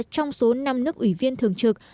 trong số năm nước ủy viên thường trực